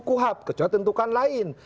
kuhab kecuali tentukan lain